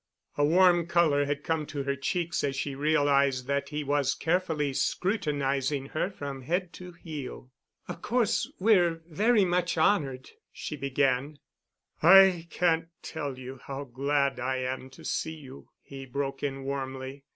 A warm color had come to her checks as she realized that he was carefully scrutinizing her from head to heel. "Of course we're very much honored——" she began. "I can't tell you how glad I am to see you," he broke in warmly.